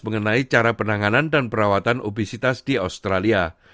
mengenai cara penanganan dan perawatan obesitas di australia